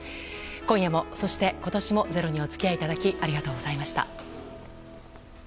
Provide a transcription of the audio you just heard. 今夜もそして今年も「ｚｅｒｏ」にお付き合いいただきありがとうございました。